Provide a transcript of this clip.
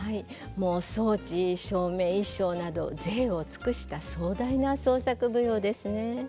もう装置照明衣装など贅を尽くした壮大な創作舞踊ですね。